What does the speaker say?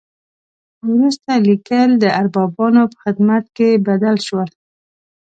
وروسته لیکل د اربابانو په خدمت بدل شول.